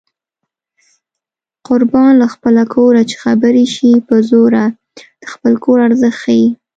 قربان له خپله کوره چې خبرې شي په زوره د خپل کور ارزښت ښيي